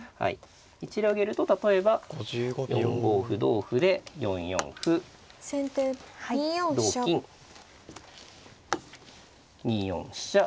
一例を挙げると例えば４五歩同歩で４四歩同金２四飛車